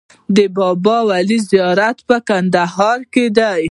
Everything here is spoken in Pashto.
د بابای ولي زیارت په کندهار کې دی